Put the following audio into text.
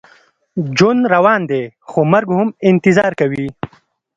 ژوند روان دی، خو مرګ هم انتظار کوي.